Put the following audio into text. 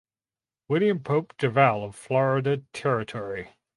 William Pope Duval of Florida Territory.